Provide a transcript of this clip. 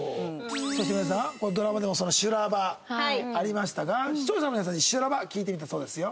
そして皆さんドラマでも修羅場ありましたが視聴者の皆さんに修羅場聞いてみたそうですよ。